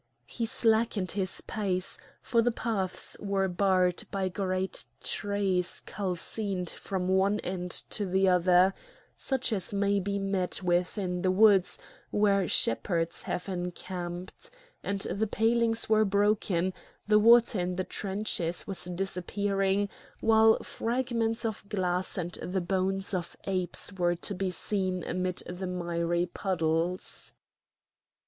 He slackened his pace, for the paths were barred by great trees calcined from one end to the other, such as may be met with in woods where shepherds have encamped; and the palings were broken, the water in the trenches was disappearing, while fragments of glass and the bones of apes were to be seen amid the miry puddles.